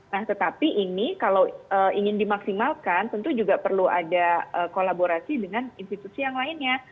nah tetapi ini kalau ingin dimaksimalkan tentu juga perlu ada kolaborasi dengan institusi yang lainnya